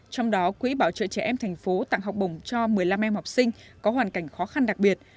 trong đó quỹ bảo trợ trẻ em thành phố tặng học bổng cho một mươi năm em học sinh có hoàn cảnh khó khăn đặc biệt